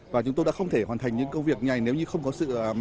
và chúng tôi đã không thể hoàn thành những công việc này nếu như không có sự